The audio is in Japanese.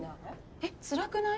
えっつらくない？